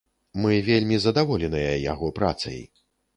Мы вельмі задаволеныя яго працай.